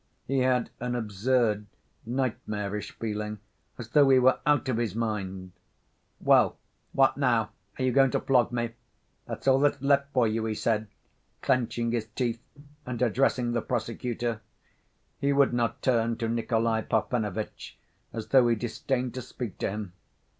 He had an absurd nightmarish feeling, as though he were out of his mind. "Well, what now? Are you going to flog me? That's all that's left for you," he said, clenching his teeth and addressing the prosecutor. He would not turn to Nikolay Parfenovitch, as though he disdained to speak to him.